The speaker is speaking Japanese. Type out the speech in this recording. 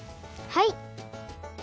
はい！